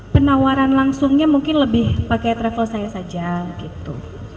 penawaran langsungnya mungkin lebih pakai travel saya saja gitu